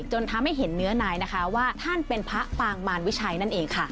จนทำให้เห็นเนื้อนายนะคะว่าท่านเป็นพระปางมารวิชัยนั่นเองค่ะ